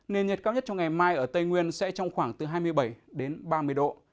nền nhiệt cao nhất trong ngày mai ở tây nguyên sẽ trong khoảng từ hai mươi bảy đến ba mươi độ